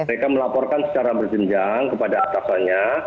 mereka melaporkan secara berjenjang kepada atasannya